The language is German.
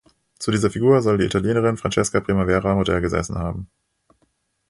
Zu dieser Figur soll die Italienerin Francesca Primavera Modell gesessen haben.